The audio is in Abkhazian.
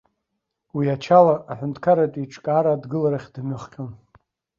Уи ачала аҳәынҭқарратә еиҿкаара адгыларахь дымҩахҟьон.